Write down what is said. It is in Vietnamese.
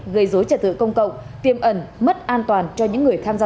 gây dối trả thưởng công cộng tiêm ẩn mất an toàn cho những người tham gia